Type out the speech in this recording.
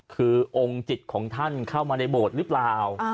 คือองค์จิตของท่านเข้ามาในโบสถ์หรือเปล่า